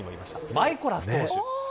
マイコラス投手。